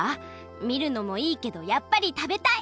みるのもいいけどやっぱり食べたい！